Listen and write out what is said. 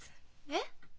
えっ？